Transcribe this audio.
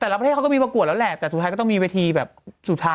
ประเทศเขาก็มีประกวดแล้วแหละแต่สุดท้ายก็ต้องมีเวทีแบบสุดท้าย